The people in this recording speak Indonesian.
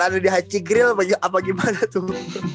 ada di haji grill apa gimana tuh